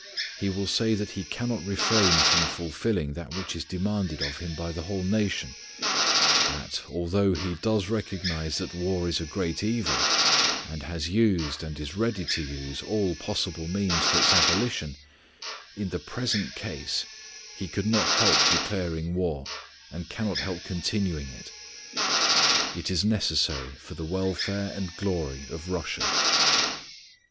He will say that he cannot refrain from fulfilling that which is demanded of him by the whole nation, that, although he does recognize that war is a great evil, and has used, and is ready to use, all possible means for its abolition in the present case he could not help declaring war, and cannot help continuing it. It is necessary for the welfare and glory of Russia.